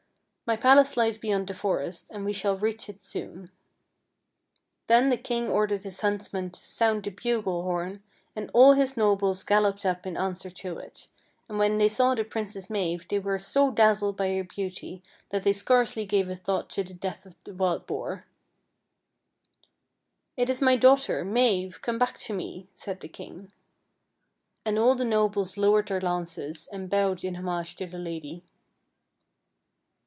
My palace lies beyond the forest, and we shall reach it soon." Then the king ordered his huntsman to sound the bugle horn, and all his nobles galloped up in answer to it, and when they saw the Princess Mave they were so dazzled by her beauty that 40 FAIKY TALES they scarcely gave a thought to the death of the wild boar. " It is my daughter, Have, come back to me," said the king. And all the nobles lowered their lances, and bowed in homage to the lady.